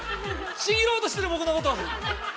ちぎろうとしてる、僕のことを。